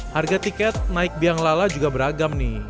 harga tiket naik biang lala juga beragam nih